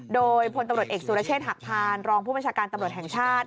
โดยพลตำรวจเอกสุรเชษฐหักพานรองผู้บัญชาการตำรวจแห่งชาติ